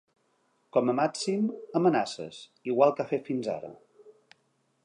Com a màxim, amenaces, igual que ha fet fins ara.